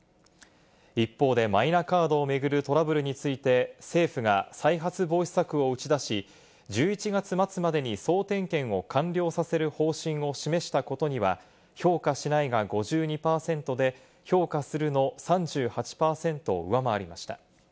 一方でマイナカードを巡るトラブルについて、政府が再発防止策を打ち出し、１１月末までに総点検を完了させる方針を示したことには、評価しないが５２％で評価するの３８％を上回りました。